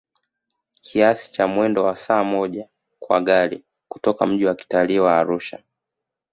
kiasi cha mwendo wa saa moja kwa gari kutoka mji wa kitalii wa Arusha